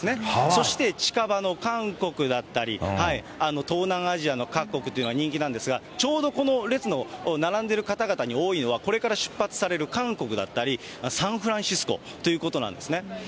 そして近場の韓国だったり、東南アジアの各国というのは人気なんですが、ちょうどこの列の並んでる方々に多いのは、これから出発される韓国だったりサンフランシスコということなんですね。